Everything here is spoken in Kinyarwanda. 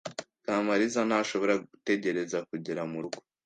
Kamariza ntashobora gutegereza kugera murugo.